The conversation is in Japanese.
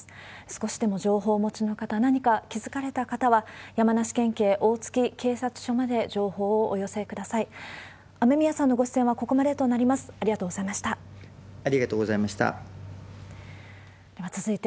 少しでも情報をお持ちの方、何か気付かれた方は、山梨県警大月警察署まで情報をお寄せください。